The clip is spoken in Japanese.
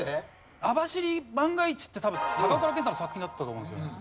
『網走番外地』って多分高倉健さんの作品だったと思うんですよね。